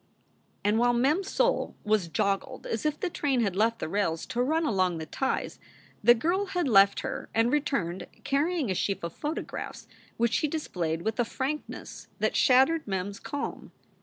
And while Mem s soul was joggled as if the train had left the rails to run along the ties, the girl had left her and returned, carrying a sheaf of photographs, which she dis played with a frankness that shattered Mem s calm.